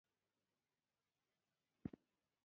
راکټ د ستورمزلو پروګرام بنسټ جوړ کړ